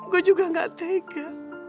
gue juga gak tega